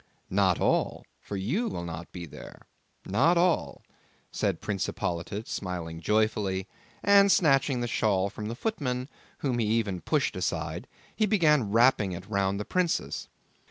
"Not all, for you will not be there; not all," said Prince Hippolyte smiling joyfully; and snatching the shawl from the footman, whom he even pushed aside, he began wrapping it round the princess.